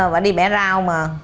và đi bẻ rau mà